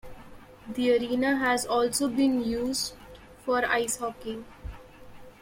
The arena has also been used for ice hockey.